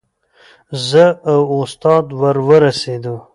زه او استاد ور ورسېدو.